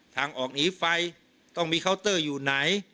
ทางออกหนีไฟต้องมีเคาน์เตอร์อยู่ไหน